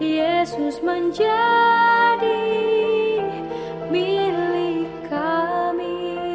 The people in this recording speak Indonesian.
yesus menjadi milik kami